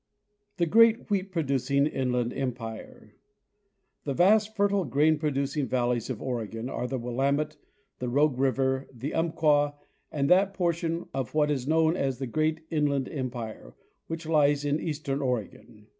The Great Wheat producing Inland Empire. The vast fertile grain producing valleys of Oregon are the Willamette, the Rogue river, the Umpqua, and that portion of what is known as the "great Inland Empire" which lies in eastern Oregon.